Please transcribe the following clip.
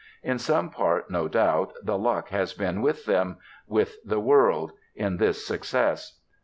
In some part, no doubt, the luck has been with them with the world in this success.